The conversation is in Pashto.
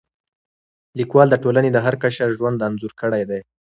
لیکوال د ټولنې د هر قشر ژوند انځور کړی دی.